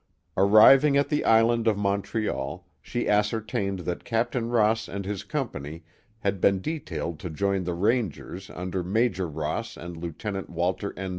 Arriving at the island of Montreal, she ascertained that Captain Ross and his company had been detailed to join the rangers under Major Ross and Lieutenant Walter N.